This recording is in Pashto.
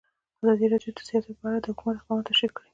ازادي راډیو د سیاست په اړه د حکومت اقدامات تشریح کړي.